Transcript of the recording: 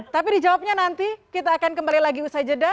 tapi dijawabnya nanti kita akan kembali lagi usai jeda